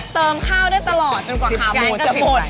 เติมข้าวได้ตลอดจนกว่าขาหมูจะหมด